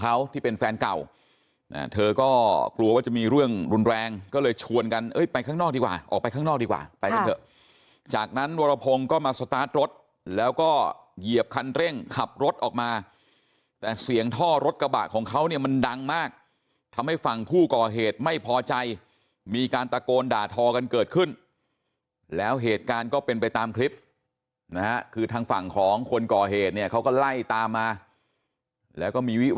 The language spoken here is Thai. เขาที่เป็นแฟนเก่าเธอก็กลัวว่าจะมีเรื่องรุนแรงก็เลยชวนกันไปข้างนอกดีกว่าออกไปข้างนอกดีกว่าไปกันเถอะจากนั้นวรพงศ์ก็มาสตาร์ทรถแล้วก็เหยียบคันเร่งขับรถออกมาแต่เสียงท่อรถกระบะของเขาเนี่ยมันดังมากทำให้ฝั่งผู้ก่อเหตุไม่พอใจมีการตะโกนด่าทอกันเกิดขึ้นแล้วเหตุการณ์ก็เป็นไปตามคลิปนะฮะคือทางฝั่งของคนก่อเหตุเนี่ยเขาก็ไล่ตามมาแล้วก็มีวิ